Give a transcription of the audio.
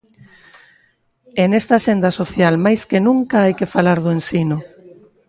E nesta axenda social máis que nunca hai que falar do ensino.